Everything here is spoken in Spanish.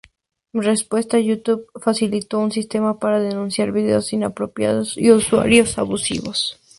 En respuesta, YouTube facilitó un sistema para denunciar videos inapropiados y usuarios abusivos.